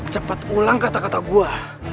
cepat ulang kata kata gua